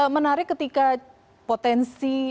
menarik ketika potensi